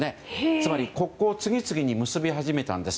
つまり国交を次々に結び始めたんです。